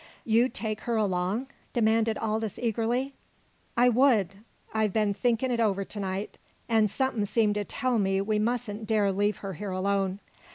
"You'd take her along?" demanded Aldous eagerly. "I would. I've been thinkin' it over to night. An' something seemed to tell me we mustn't dare leave her here alone.